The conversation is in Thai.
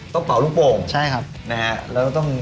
ต้องเผาลูกปลง